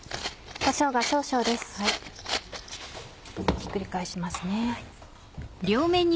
ひっくり返しますね。